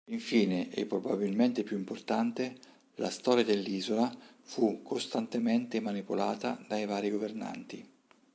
Infine, e probabilmente più importante, la storia dell'isola fu costantemente manipolata dai vari governanti.